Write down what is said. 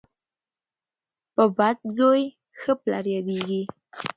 په بد زوی ښه پلار یادیږي.